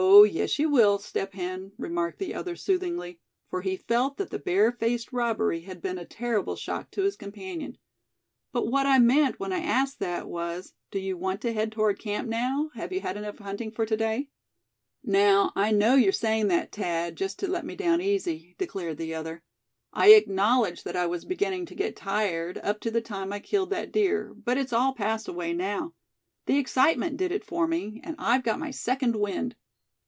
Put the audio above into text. yes you will, Step Hen," remarked the other, soothingly, for he felt that the bare faced robbery had been a terrible shock to his companion. "But what I meant when I asked that, was, do you want to head toward camp now; have you had enough hunting for to day?" "Now, I know you're saying that, Thad, just to let me down easy," declared the other. "I acknowledge that I was beginning to get tired, up to the time I killed that deer; but it's all passed away now. The excitement did it for me; and I've got my second wind."